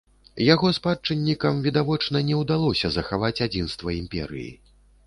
Яго спадчыннікам, відавочна, не ўдалося захаваць адзінства імперыі.